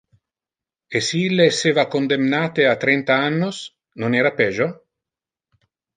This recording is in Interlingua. E si ille esseva condemnate a trenta annos, non era pejo?